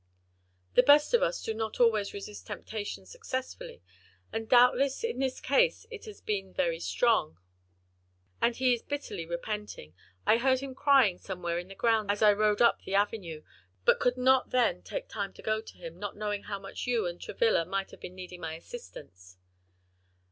"The best of us do not always resist temptation successfully, and doubtless in this case it has been very strong. And he is bitterly repenting; I heard him crying somewhere in the grounds as I rode up the avenue, but could not then take time to go to him, not knowing how much you and Travilla might be needing my assistance."